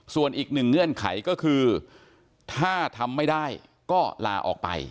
ส่วนอีกหนึ่งเงื่อนไขก็คือถ้าทำไม่ได้ก็ลาออกไป